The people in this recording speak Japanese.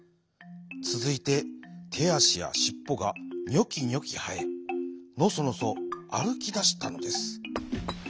つづいててあしやしっぽがニョキニョキはえノソノソあるきだしたのです。